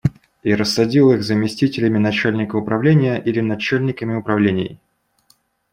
И рассадил их заместителями начальника управления или начальниками управлений.